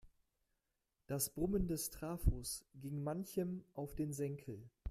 Das Brummen des Trafos ging manchem auf den Senkel.